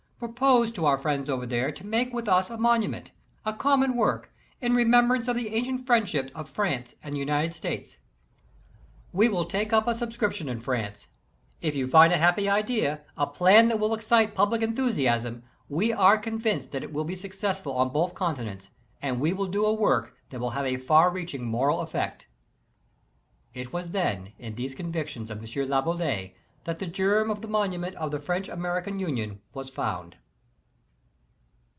Propose to our friends over there to make with us a monument, a common work, in remembrance of the ancient friendship of France I »y and the United States. We will take up a subscription in France. If you find a happy idea, a plan that will excite public enthusiasm, we are convinced that it will be successful on both continents, and we will do a work that will have a far reaching moral effect" It was, then, in these convictions of M. Laboulaye, that the germ of the monument of the French American Union was found.